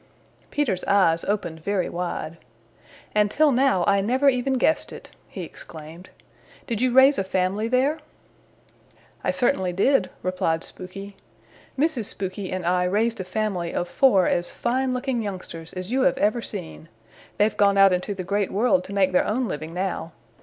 Peter's eyes opened very wide. "And till now I never even guessed it," he exclaimed. "Did you raise a family there?" "I certainly did," replied Spooky. "Mrs. Spooky and I raised a family of four as fine looking youngsters as you ever have seen. They've gone out into the Great World to make their own living now.